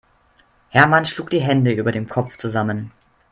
Hermann schlug die Hände über dem Kopf zusammen.